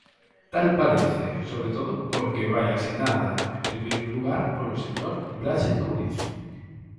Tal parece, sobre todo porque vai asinada, en primeiro lugar, polo señor Braxe Touriz.